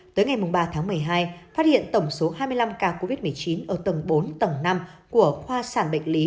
tới ngày ba tháng một mươi hai phát hiện tổng số hai mươi năm ca covid một mươi chín ở tầng bốn tầng năm của khoa sản bệnh lý